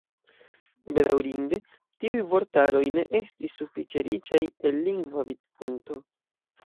Bedaŭrinde tiuj vortaroj ne estis sufiĉe riĉaj el lingva vidpunkto.